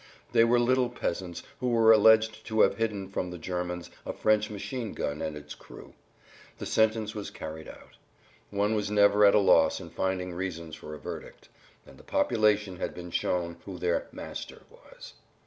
They were little peasants who were alleged to have hidden from the Germans a French machine gun and its crew. The sentence was[Pg 85] carried out. One was never at a loss in finding reasons for a verdict. And the population had been shown who their "master" was.